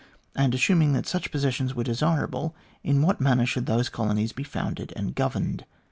And, assuming that such possession was desirable, in what manner should those colonies be founded and governed